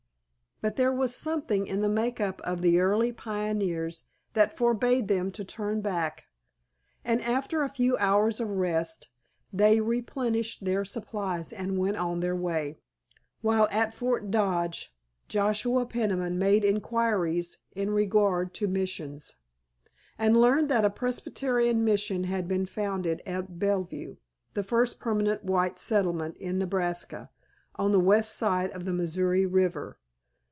But there was something in the make up of the early pioneers that forbade them to turn back, and after a few hours of rest they replenished their supplies and went on their way. While at Fort Dodge Joshua Peniman made inquiries in regard to Missions, and learned that a Presbyterian Mission had been founded at Bellevue, the first permanent white settlement in Nebraska, on the west side of the Missouri River.